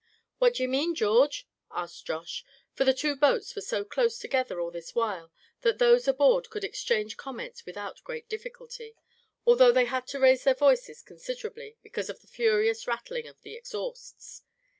"What d'ye mean, George?" asked Josh; for the two boats were so close together all this while that those aboard could exchange comments without great difficulty; although they had to raise their voices considerably, because of the furious rattling of the exhausts.